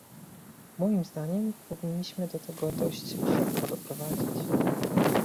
Moim zdaniem powinniśmy do tego dość szybko doprowadzić